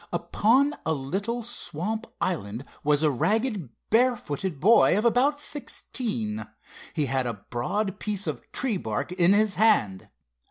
Upon a little swamp island was a ragged, barefooted boy of about sixteen. He had a broad piece of tree bark in his hand.